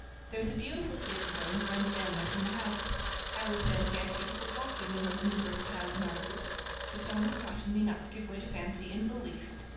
There is a beautiful shaded lane that runs down there from the house. I always fancy I see people walking in these numerous paths and arbors, but John has cautioned me not to give way to fancy in the least.